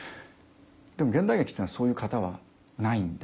でも現代劇というのはそういう型はないんで。